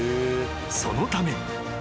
［そのため］